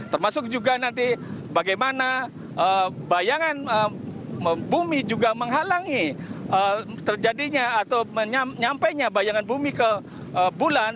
termasuk juga nanti bagaimana bayangan bumi juga menghalangi terjadinya atau nyampenya bayangan bumi ke bulan